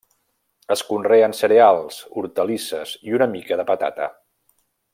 Es conreen cereals, hortalisses i una mica de patata.